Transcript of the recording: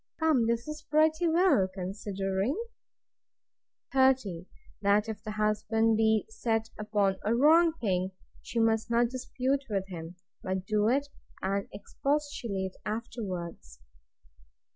Come, this is pretty well, considering. 30. That if the husband be set upon a wrong thing, she must not dispute with him, but do it and, expostulate afterwards.